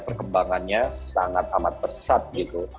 perkembangannya sangat amat pesat gitu